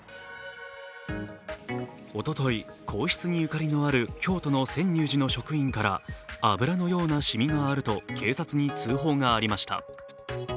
おととい皇室にゆかりのある京都の泉涌寺の職員から油のような染みがあると警察に通報がありました。